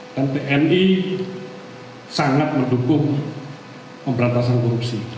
dan tni sangat mendukung pemberantasan korupsi